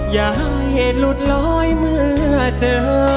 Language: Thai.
อย่าให้หลุดลอยเมื่อเจอ